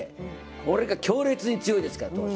これが強烈に強いですから当時。